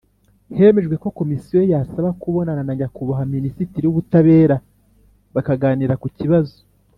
Hemejwe ko komisiyo yasaba kubonana na nyakubahwa minisitiri w ubutabera bakaganira ku kibazo